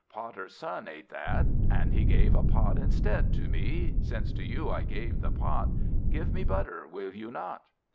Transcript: Potter's son ate that, and he Gave a pot instead to me. Since to you I gave that pot, Give me butter, will you not?"